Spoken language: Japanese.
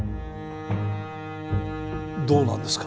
どうなんですか？